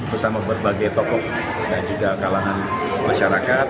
bersama berbagai tokoh dan juga kalangan masyarakat